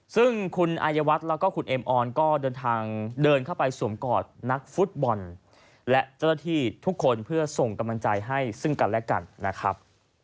ซึ่งคุณอายวัฒน์แล้วก็คุณเอ็มออนก็เดินทางเดินเข้าไปสวมกอดนักฟุตบอลและเจ้าหน้าที่ทุกคนเพื่อส่งกำลังใจให้ซึ่งกันและกันนะครับ